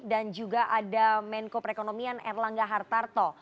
dan juga ada menko perekonomian erlangga hartarto